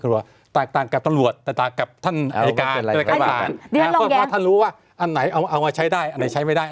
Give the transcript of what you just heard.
เพราะว่าท่านรู้ว่าอันไหนเอามาใช้ได้อันไหนใช้ไม่ได้